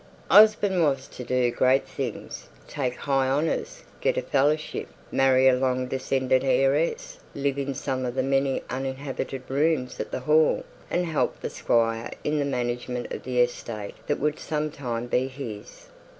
Osborne was to do great things; take high honours, get a fellowship, marry a long descended heiress, live in some of the many uninhabited rooms at the Hall, and help the squire in the management of the estate that would some time be his.